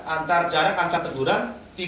antar jarak antar teguran